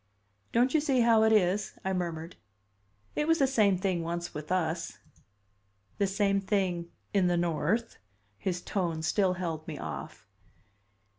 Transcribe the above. "Don't you see how it is?" I murmured. "It was the same thing once with us." "The same thing in the North?" His tone still held me off.